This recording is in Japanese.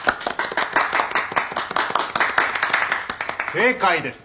正解です。